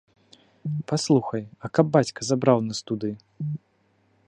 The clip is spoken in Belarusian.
Паслухай, а каб бацька забраў нас туды?